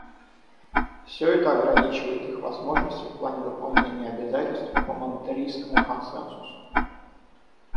Все это ограничивает их возможности в плане выполнения обязательств по Монтеррейскому консенсусу.